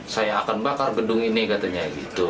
saya akan bakar gedung ini katanya